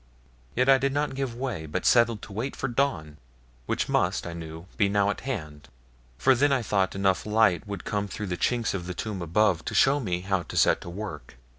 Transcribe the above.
Yet I did not give way, but settled to wait for the dawn, which must, I knew, be now at hand; for then I thought enough light would come through the chinks of the tomb above to show me how to set to work.